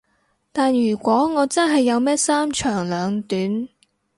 但如果我真係有咩三長兩短